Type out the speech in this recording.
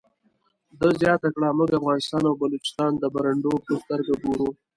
ده زیاته کړه موږ افغانستان او بلوچستان د برنډو په سترګه ګورو.